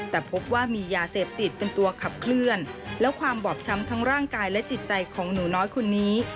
แต่พบว่ามียาเสพติดเป็นตัวขับเคลื่อนและความบอบช้ำทั้งร่างกายและจิตใจของหนูน้อยคนนี้